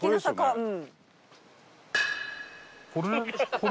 これ？